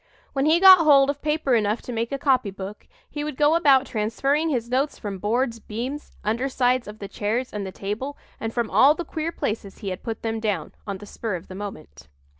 When he got hold of paper enough to make a copy book he would go about transferring his notes from boards, beams, under sides of the chairs and the table, and from all the queer places he had put them down, on the spur of the moment.